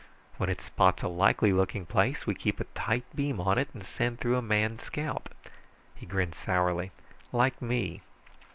When it spots a likely looking place, we keep a tight beam on it and send through a manned scout." He grinned sourly. "Like me.